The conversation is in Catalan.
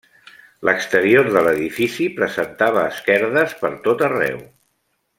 L'exterior de l'edifici, presentava esquerdes per tot arreu.